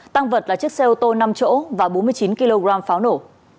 tăng vật là chiếc xe ô tô năm chỗ và bốn mươi chín kg pháo nổ